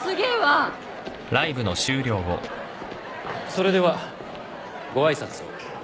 それではご挨拶を。